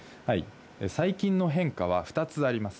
最近の変化は２つあります。